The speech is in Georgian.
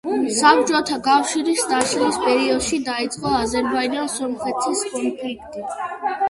საბჭოთა კავშირის დაშლის პერიოდში დაიწყო აზერბაიჯან-სომხეთის კონფლიქტი.